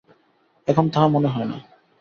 এখন তাহা মনে হয় না।